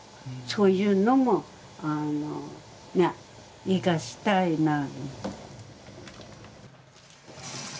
そういうのも生かしたいな。